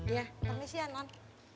iya permisi ya non